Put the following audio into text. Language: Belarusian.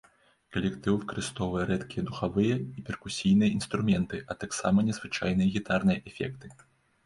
Калектыў выкарыстоўвае рэдкія духавыя і перкусійныя інструменты, а таксама незвычайныя гітарныя эфекты.